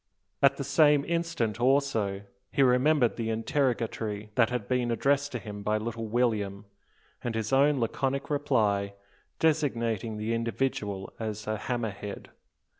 At the same instant, also, he remembered the interrogatory that had been addressed to him by little William, and his own laconic reply designating the individual as a hammer head.